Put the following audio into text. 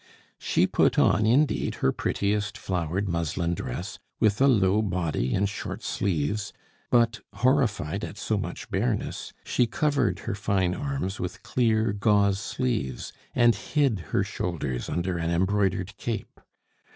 She put on, indeed, her prettiest flowered muslin dress, with a low body and short sleeves; but horrified at so much bareness, she covered her fine arms with clear gauze sleeves and hid her shoulders under an embroidered cape.